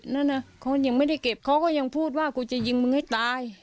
นั่นนะเขายังไม่ได้เก็บเขาก็ยังพูดว่ากูจะยิงมึงให้ตาย